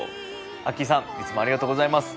アッキーさんいつもありがとうございます。